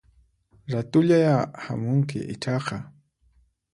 Ratullayá hamunki ichaqa